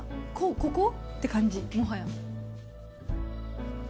ここ？って感じ、もはや。